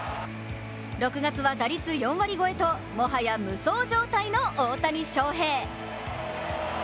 ６月は打率４割超えと、もはや無双状態の大谷翔平。